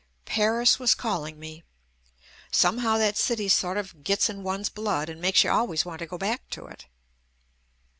"Paris was calling me." Some how that city sort of gets in one's blood and makes you always want to go back to it.